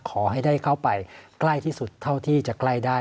ขอให้ได้เข้าไปใกล้ที่สุดเท่าที่จะใกล้ได้